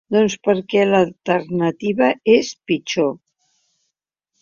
Doncs perquè l’alternativa és pitjor.